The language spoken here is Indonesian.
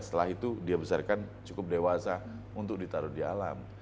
setelah itu dia besarkan cukup dewasa untuk ditaruh di alam